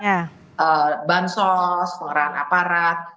di luar konsol di luar aparat